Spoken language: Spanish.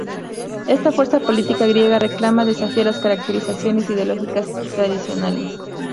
Esta fuerza política griega reclama a desafiar las caracterizaciones ideológicas tradicionales.